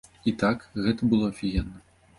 І так, гэта было афігенна.